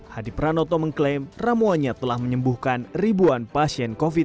hadi pranoto mengklaim ramuannya telah menyembuhkan ribuan pasien covid sembilan belas